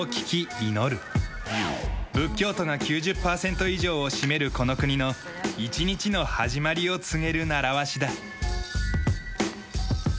仏教徒が９０パーセント以上を占めるこの国の一日の始まりを告げる習わしだ。